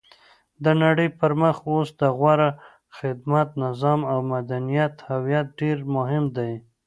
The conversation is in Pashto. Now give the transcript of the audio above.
د نړۍ پرمخ اوس د غوره خدمت، نظام او مدنیت هویت ډېر مهم دی.